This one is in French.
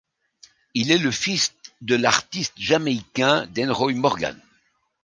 Il est le fils de l'artiste jamaïcain Denroy Morgan.